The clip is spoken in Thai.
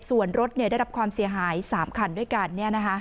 ส่วนรถเนี่ยได้รับความเสียหาย๓ขันด้วยกันเนี่ยนะคะ